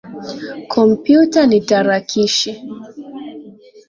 Kompyuta ni tarakilishi